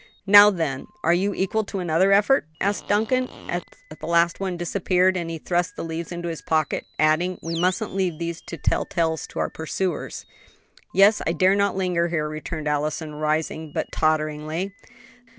"Now, then, are you equal to another effort?" asked Duncan, as the last one disappeared, and he thrust the leaves into his pocket, adding, "We mustn't leave these to tell tales to our pursuers." "Yes, I dare not linger here," returned Allison, rising but totteringly.